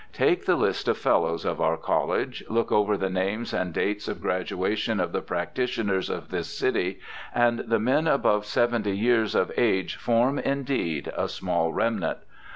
Take the list of Fel lows of our College, look over the names and dates of graduation of the practitioners of this city, and the men above seventy years of age form, indeed, a small remnant.